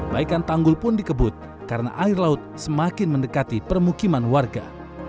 baikan tanggul pun dikebut karena air laut semakin mendekati permukiman warga